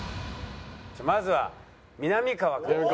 まずはみなみかわから。